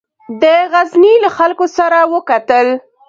د غزني له خلکو سره وکتل.